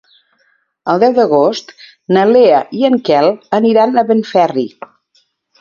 El deu d'agost na Lea i en Quel aniran a Benferri.